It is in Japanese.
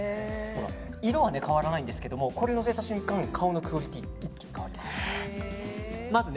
色は変わらないんですけどこれ乗せた瞬間顔のクオリティーが一気に変わります。